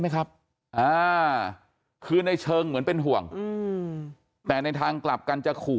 ไหมครับอ่าคือในเชิงเหมือนเป็นห่วงแต่ในทางกลับกันจะขู่